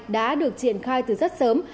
đã được triển khai từ rất sớm